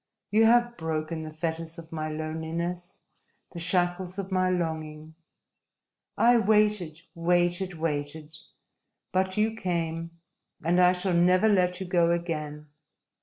You have broken the fetters of my loneliness, the shackles of my longing! I waited, waited, waited but you came, and I shall never let you go again!